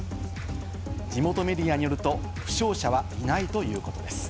地元メディアによると負傷者はいないということです。